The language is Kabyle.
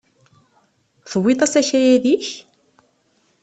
Tewwiḍ-d akayad-ik?